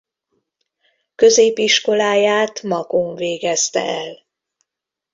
Középiskoláját Makón végezte el.